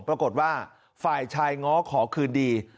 ปรากฏว่าฝ่ายชายง้อขอคืนดี